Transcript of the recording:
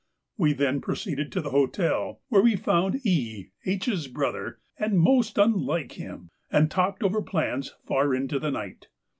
We then proceeded to the hotel, where we found E., H.'s brother, and most unlike him, and talked over plans far into the night.